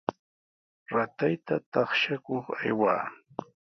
Ratayta taqshakuq aywaa.